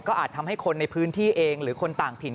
อาจทำให้คนในพื้นที่เองหรือคนต่างถิ่น